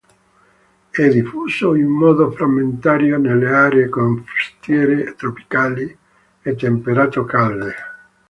È diffuso in modo frammentario nelle aree costiere tropicali e temperato-calde.